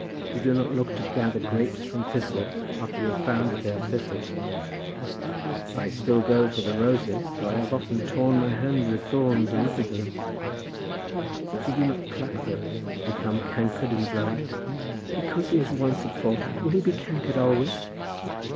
You do not look to gather grapes from thistles, after you have found that they are thistles." "I still go for the roses though I have often torn my hand with thorns in looking for them." "But you do not pluck those that have become cankered in the blowing." "Because he was once at fault, will he be cankered always?"